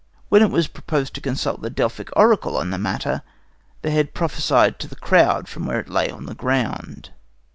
When it was proposed to consult the Delphic oracle on the matter, the head prophesied to the crowd from where it lay on the ground.